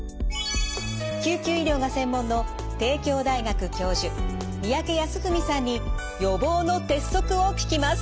救急医療が専門の帝京大学教授三宅康史さんに予防の鉄則を聞きます。